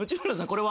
これは？